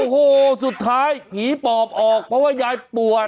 โอ้โหสุดท้ายผีปอบออกเพราะว่ายายป่วย